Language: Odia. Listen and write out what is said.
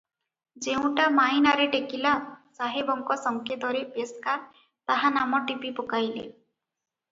ଯେଉଁଟା ମାଇନାରେ ଟେକିଲା, ସାହେବଙ୍କ ସଙ୍କେତରେ ପେସ୍କାର ତାହା ନାମ ଟିପି ପକାଇଲେ ।